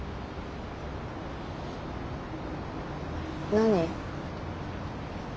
何？